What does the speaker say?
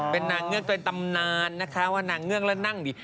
เป็นนางเงือกเป็นตำนานนะคะว่านางเงือกแล้วนั่งดี